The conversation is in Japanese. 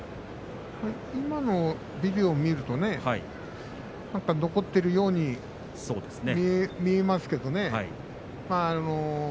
今の引きを見ると残っているように見えますけどね。